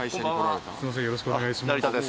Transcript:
よろしくお願いします。